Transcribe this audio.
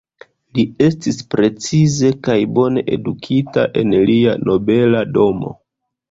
Li estis precize kaj bone edukita en lia nobela domo.